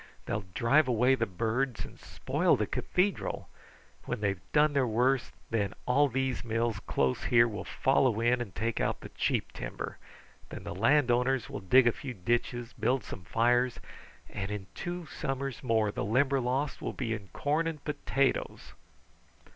They'll drive away the birds and spoil the cathedral. When they have done their worst, then all these mills close here will follow in and take out the cheap timber. Then the landowners will dig a few ditches, build some fires, and in two summers more the Limberlost will be in corn and potatoes."